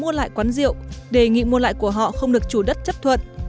cho quán rượu đề nghị mua lại của họ không được chủ đất chấp thuận